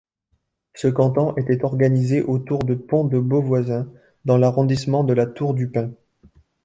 Ce canton était organisé autour de Pont-de-Beauvoisin dans l'arrondissement de La Tour-du-Pin.